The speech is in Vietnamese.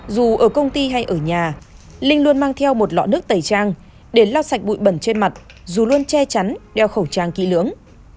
dù ở công ty hay ở nhà linh luôn mang theo một lọ nước tẩy trang để lau sạch bụi bẩn trên mặt dù luôn che chắn đeo khẩu trang kỹ lưỡng